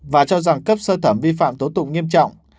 và cho rằng cấp sơ thẩm vi phạm tố tụng nghiêm trọng